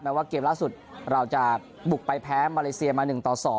ว่าเกมล่าสุดเราจะบุกไปแพ้มาเลเซียมา๑ต่อ๒